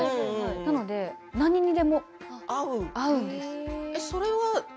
なので何にでも合うんです。